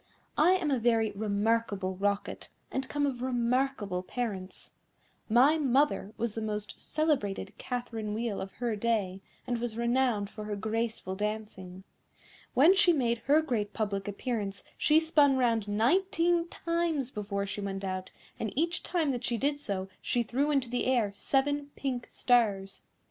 I am a very remarkable Rocket, and come of remarkable parents. My mother was the most celebrated Catherine Wheel of her day, and was renowned for her graceful dancing. When she made her great public appearance she spun round nineteen times before she went out, and each time that she did so she threw into the air seven pink stars.